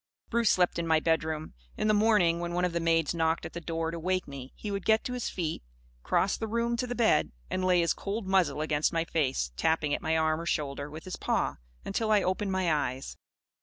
Bruce slept in my bedroom. In the morning, when one of the maids knocked at the door to wake me, he would get to his feet, cross the room to the bed, and lay his cold muzzle against my face, tapping at my arm or shoulder with his paw until I opened my eyes.